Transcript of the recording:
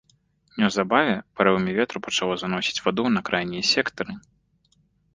Неўзабаве парывамі ветру пачало заносіць ваду на крайнія сектары.